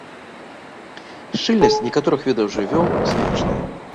Шчыльнасць некаторых відаў жывёл значная.